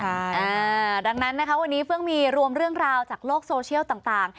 อ่าดังนั้นนะคะวันนี้เฟื้องมีรวมเรื่องราวจากโลกโซเชียลต่าง